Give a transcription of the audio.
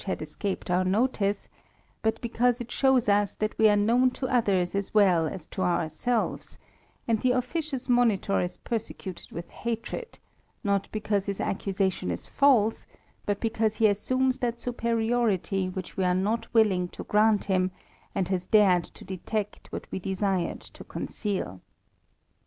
dd escaped our notice, but because it shows us that we ar^ known to others as well as to ourselves ; and the ofi&cioi^'^ monitor is persecuted with hatred, not because his accuf tion is false, but because he assumes that superiority whicL we are not willing to grant him, and has dared to detec^^^^^^ what we desired to conceal.